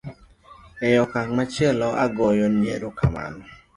e okang' machielo agoyo ni erokamano